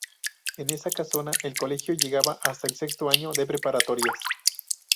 En esa casona, el colegio llegaba hasta el sexto año de preparatorias.